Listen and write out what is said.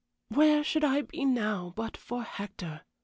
"Where should I be now but for Hector?"